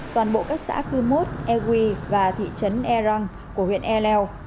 toàn bộ các xã cư mốt e huy và thị trấn e rang của huyện e leo